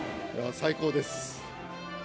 最高です。